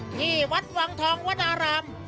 ที่วัดวังทองวนาราม